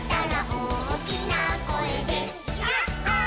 「おおきなこえでヤッホー」